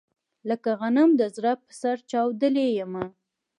لکه غنم د زړه په سر چاودلی يمه